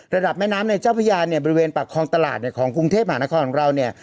ระดับแม่น้ำในเจ้าพยานเนี่ยบริเวณปากคลองตลาดเนี่ยของกรุงเทพมหานครของเราเนี่ย